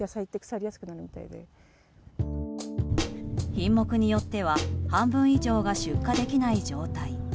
品目によっては半分以上が出荷できない状態。